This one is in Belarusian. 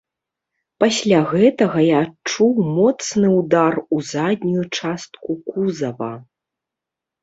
Пасля гэтага і адчуў моцны ўдар у заднюю частку кузава.